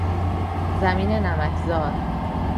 زمین نمک زار